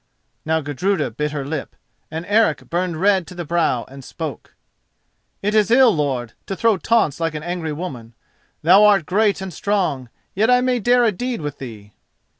Now Gudruda bit her lip, and Eric burned red to the brow and spoke: "It is ill, lord, to throw taunts like an angry woman. Thou art great and strong, yet I may dare a deed with thee."